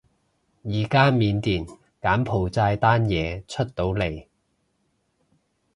而家緬甸柬埔寨單嘢出到嚟